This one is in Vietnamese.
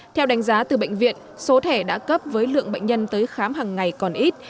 theo đánh giá từ bệnh viện số thẻ đã cấp với lượng bệnh nhân tới khám hằng ngày còn ít